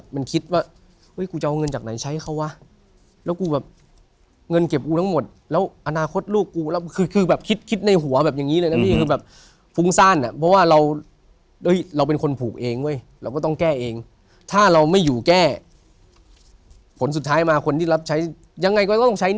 พี่เชื่อไหมตอนนั้นผมคิดจะแบบยิงตัวตายด้วยนะ